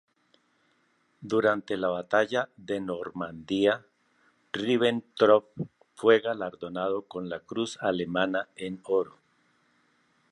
Durante la Batalla de Normandía, Ribbentrop fue galardonado con la Cruz Alemana en Oro.